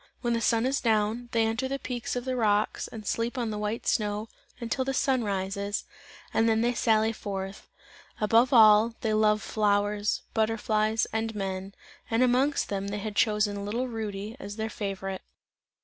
When the sun is down, they enter the peaks of the rocks and sleep on the white snow, until the sun rises, and then they sally forth. Above all, they love flowers, butterflies, and men, and amongst them they had chosen little Rudy as their favourite.